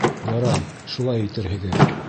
— Ярай, шулай итерһегеҙ...